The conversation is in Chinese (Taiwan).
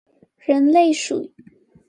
人類使用說明書